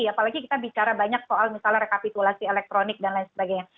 apalagi kita bicara banyak soal misalnya rekapitulasi elektronik dan lain sebagainya